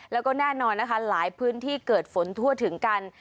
แล้วก็แน่นอนนะคะหลายพื้นที่เกิดฝนทั่วถึงกัน